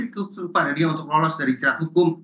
kepada dia untuk lolos dari cerat hukum